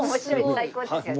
最高ですよね。